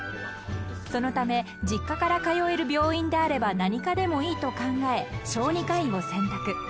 ［そのため実家から通える病院であれば何科でもいいと考え小児科医を選択］